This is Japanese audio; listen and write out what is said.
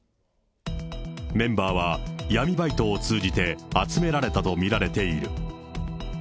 メンバーは闇バイトを通じて集められたと見られている。